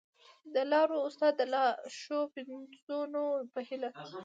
د لاروي استاد د لا ښو پنځونو په هیله!